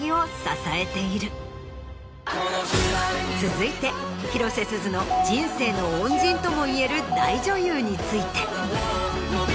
続いて広瀬すずの人生の恩人ともいえる大女優について。